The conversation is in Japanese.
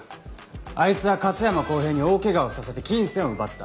あいつは勝山康平に大怪我をさせて金銭を奪った。